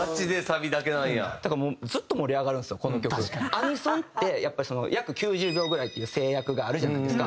アニソンってやっぱり約９０秒ぐらいっていう制約があるじゃないですか。